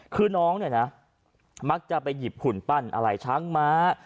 คือน้องเนี่ยนะมักจะไปหยิบหุ่นปั้นอะไรช้างม้า